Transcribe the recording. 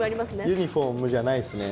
ユニフォームじゃないっすね。